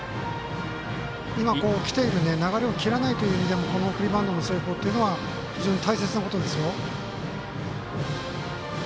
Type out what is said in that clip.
今、きている流れを切らないという意味でこの送りバントの成功というのは非常に大切なことですよ。